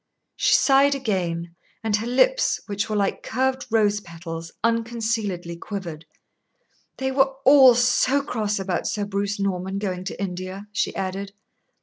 She sighed again, and her lips, which were like curved rose petals, unconcealedly quivered. "They were all so cross about Sir Bruce Norman going to India," she added.